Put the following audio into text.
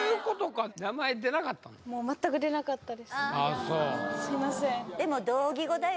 あそうすいません